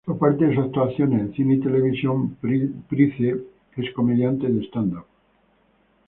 Aparte de sus actuaciones en cine y televisión, Price es comediante de "stand up".